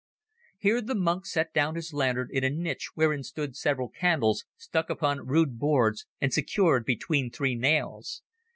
Here the monk set down his lantern in a niche wherein stood several candles stuck upon rude boards and secured between three nails.